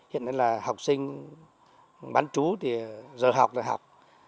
hiện nay là học sinh bán trú thì giờ học là học